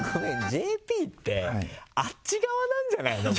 ＪＰってあっち側なんじゃないの？